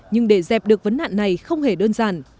nhưng để dẹp được vấn nạn này không hề đơn giản